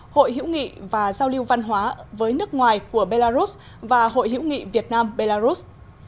hội hữu nghị và giao lưu văn hóa với nước ngoài của belarus và hội hữu nghị việt nam belarus